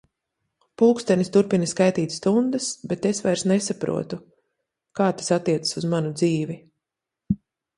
Pulkstenis turpina skaitīt stundas, bet es vairs nesaprotu, kā tās attiecas uz manu dzīvi.